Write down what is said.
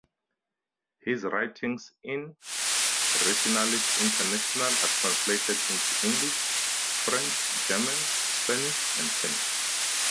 His writings in "Rationalist International" are translated into English, French, German, Spanish and Finnish.